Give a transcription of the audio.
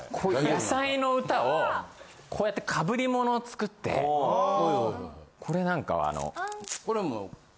野菜の歌をこうやって被り物を作ってこれなんかはあの。